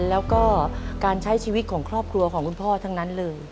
แล้วก็การใช้ชีวิตของครอบครัวของคุณพ่อทั้งนั้นเลย